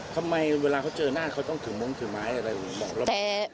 ทำไมเวลาเค้าเจอหน้าเค้าต้องถือม้องถือไม้อะไร